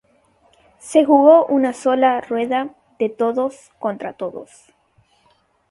Se jugó una sola rueda de todos contra todos.